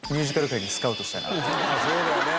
そうだよね。